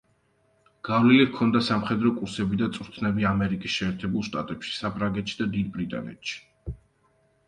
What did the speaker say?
გავლილი ჰქონდა სამხედრო კურსები და წვრთნები ამერიკის შეერთებულ შტატებში, საფრანგეთში და დიდ ბრიტანეთში.